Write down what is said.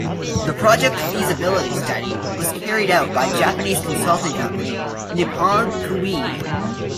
The project feasibility study was carried out by Japanese consulting company Nippon Koei.